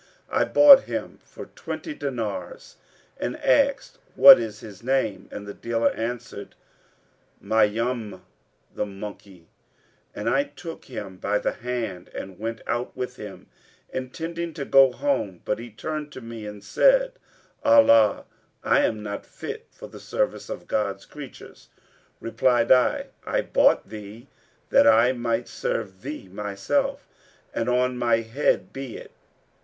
I bought him for twenty dinars and asked 'What is his name?' and the dealer answered 'Maymun, the monkey;' and I took him by the hand and went out with him, intending to go home; but he turned to me and said, 'O my lesser lord, why and wherefore didst thou buy me? By Allah, I am not fit for the service of God's creatures!' Replied I, 'I bought thee that I might serve thee myself; and on my head be it.'